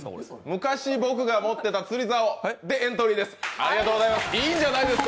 昔僕が持ってた釣りざおでエントリーです！